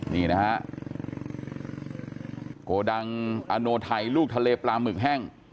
นี่นะฮะโกดังอโนไทยลูกทะเลปลาหมึกแห้ง